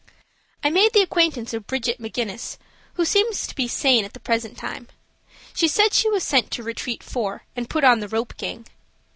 I made the acquaintance of Bridget McGuinness, who seems to be sane at the present time. She said she was sent to Retreat 4, and put on the "rope gang."